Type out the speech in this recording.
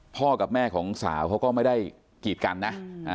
กับแม่ของสาวเขาก็ไม่ได้กีดกันนะ